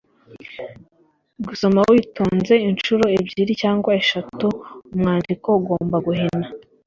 gusoma witonze, inshuro ebyiri cyangwa eshatu umwandiko ugomba guhina